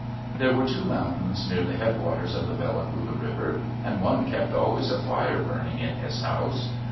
There were two mountains near the headwaters of the Bella Coola River, and one kept always a fire burning in his house.